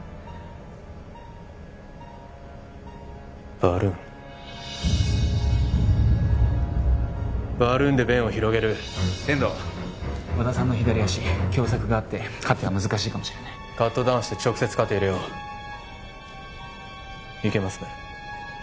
バルーンバルーンで弁を広げる天堂和田さんの左脚狭窄があってカテは難しいかもしれないカットダウンして直接カテ入れよういけますね？